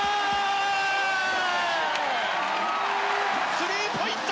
スリーポイント。